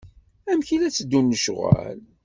Amek i la teddun lecɣal.